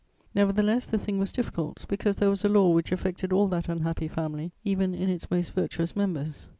Nevertheless, the thing was difficult, because there was a law which affected all that unhappy family, even in its most virtuous members.